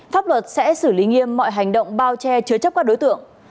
pháp luật sẽ xử lý nghiêm mọi hành động bao che chứa chấp các đối tượng